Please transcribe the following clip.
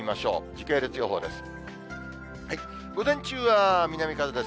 時系列予報です。